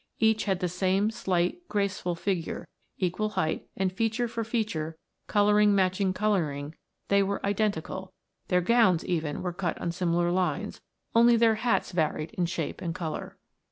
Each had the same slight graceful figure, equal height; and feature for feature, coloring matching coloring, they were identical; their gowns, even, were cut on similar lines, only their hats varied in shape and color.